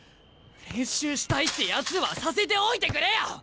練習したいってやつはさせておいてくれよ！